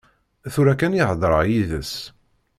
Tura kan i heḍṛeɣ yid-s.